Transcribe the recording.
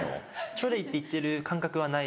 チョレイって言ってる感覚はない。